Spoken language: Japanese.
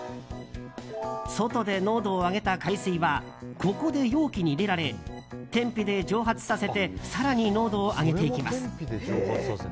外で濃度を上げた海水はここで容器に入れられ天日で蒸発させて更に濃度を上げていきます。